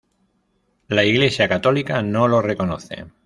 La Iglesia católica no lo reconoce.